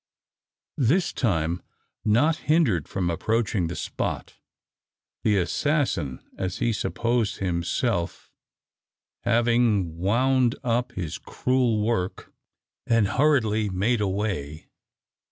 This time not hindered from approaching the spot; the assassin as he supposed himself having wound up his cruel work, and hurriedly made away.